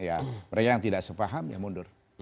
ya mereka yang tidak sepaham ya mundur